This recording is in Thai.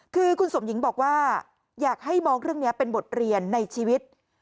คือคุณสมหญิงบอกว่าอยากให้มองเรื่องนี้เป็นบทเรียนในชีวิต